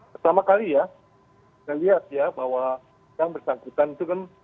pertama kali ya kita lihat ya bahwa yang bersangkutan itu kan